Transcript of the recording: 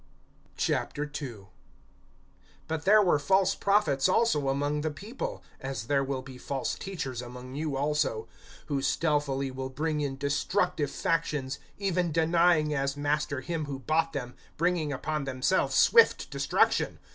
II. BUT there were false prophets also among the people, as there will be false teachers among you also, who stealthily will bring in destructive factions, even denying as Master him who bought them, bringing upon themselves swift destruction.